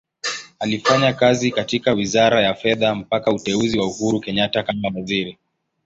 Alifanya kazi katika Wizara ya Fedha mpaka uteuzi wa Uhuru Kenyatta kama Waziri.